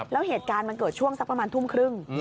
แล้วเหตุการณ์มันเกิดช่วงสักประมาณทุ่มครึ่ง